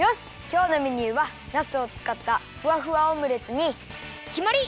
きょうのメニューはナスをつかったふわふわオムレツにきまり！